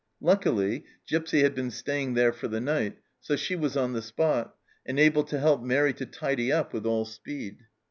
Luckily Gipsy had been staying there for the night, so she was on the spot, and able to help Mairi to tidy up with all speed.